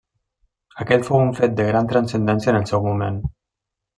Aquest fou un fet de gran transcendència en el seu moment.